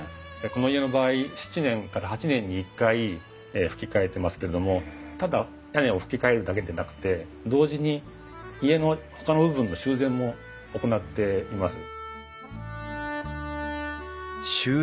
この家の場合７年から８年に一回ふき替えてますけれどもただ屋根をふき替えるだけでなくて同時に家のほかの部分の修繕も行っています。